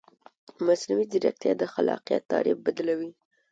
مصنوعي ځیرکتیا د خلاقیت تعریف بدلوي.